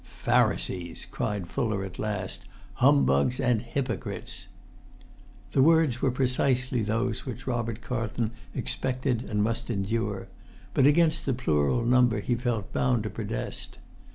"Pharisees!" cried Fuller at last. "Humbugs and hypocrites!" [Pg 41]The words were precisely those which Robert Carlton expected and must endure, but against the plural number he felt bound to protest.